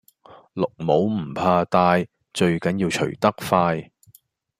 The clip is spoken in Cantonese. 綠帽唔怕戴最緊要除得快